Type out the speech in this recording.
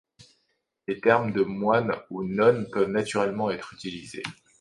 Les termes de moines ou nonnes peuvent naturellement être utilisés.